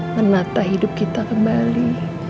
menata hidup kita kembali